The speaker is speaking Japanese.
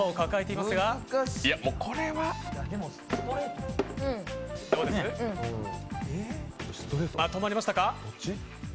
まとまりましたか。